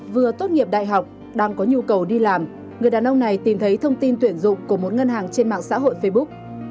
vừa tốt nghiệp đại học đang có nhu cầu đi làm người đàn ông này tìm thấy thông tin tuyển dụng của một ngân hàng trên mạng xã hội facebook